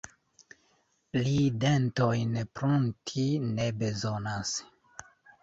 Li dentojn prunti ne bezonas.